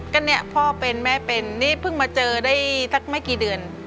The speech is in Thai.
ก็เนี่ยพ่อเป็นแม่เป็นนี่เพิ่งมาเจอได้สักไม่กี่เดือน